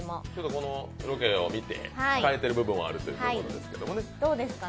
このロケを見て変えている部分があるということですね。